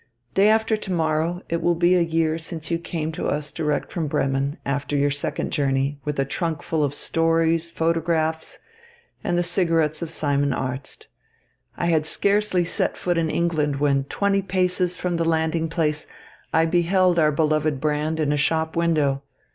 Day after to morrow it will be a year since you came to us direct from Bremen, after your second journey, with a trunk full of stories, photographs, and the cigarettes of Simon Arzt. I had scarcely set foot in England when twenty paces from the landing place, I beheld our beloved brand in a shop window.